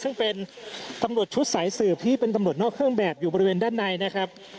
ซึ่งเป็นตำรวจชุดสายสืบที่เป็นตำรวจนอกเครื่องแบบอยู่บริเวณด้านในนะครับ